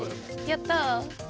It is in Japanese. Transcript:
やった。